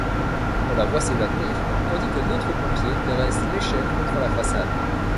On la voit s’évanouir tandis que d’autres pompiers dressent l’échelle contre la façade.